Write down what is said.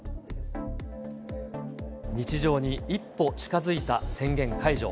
日常に一歩近づいた宣言解除。